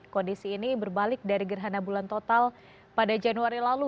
kondisi ini berbalik dari gerhana bulan total pada januari lalu